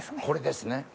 これですね